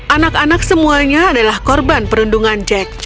anak anak semuanya adalah korban perundungan jack